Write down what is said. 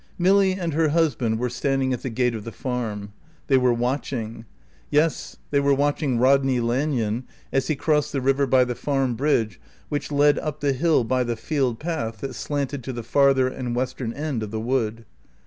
Milly and her husband were standing at the gate of the Farm. They were watching; yes, they were watching Rodney Lanyon as he crossed the river by the Farm bridge which led up the hill by the field path that slanted to the farther and western end of the wood.